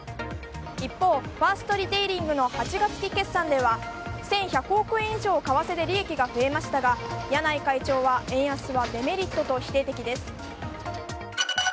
一方、ファーストリテイリングの８月期決算では１１００億円以上為替で利益が増えましたが柳井会長は円安はデメリットと否定的です。